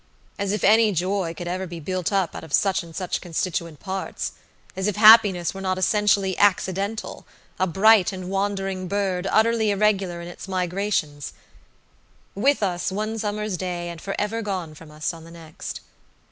As if any joy could ever be built up out of such and such constituent parts! As if happiness were not essentially accidentala bright and wandering bird, utterly irregular in its migrations; with us one summer's day, and forever gone from us on the next!